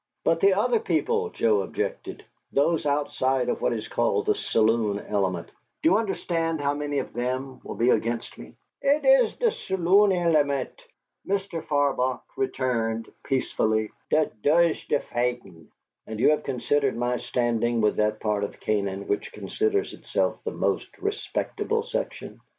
"But the other people," Joe objected, "those outside of what is called the saloon element do you understand how many of them will be against me?" "It iss der tsaloon element," Mr. Farbach returned, peacefully, "dot does der fightin'." "And you have considered my standing with that part of Canaan which considers itself the most respectable section?"